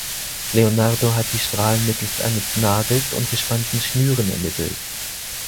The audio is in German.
Leonardo hat die Strahlen mittels eines Nagels und gespannten Schnüren ermittelt.